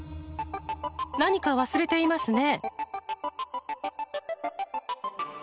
何か忘れていますね。